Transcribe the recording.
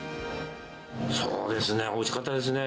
そうですね、おいしかったですね。